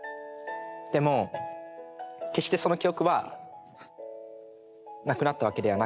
でも決してその記憶はなくなったわけではなく。